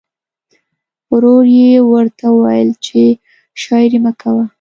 ورور یې ورته وویل چې شاعري مه کوه